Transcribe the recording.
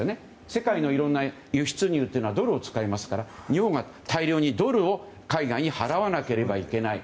世界のいろんな輸出入にはドルを使いますから日本が大量にドルを海外に払わなければいけない。